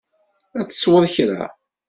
Ad tesweḍ kra?